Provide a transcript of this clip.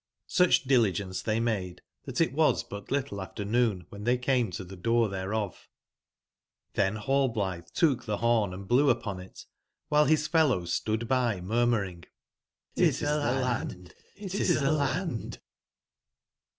Such diligence they made, that it was but little after noon when they came to the door thereof .rihen Rallblithe took the horn and blew upon it, while his fellows stood bymurmuring, ltis theLandfXtis the Land!"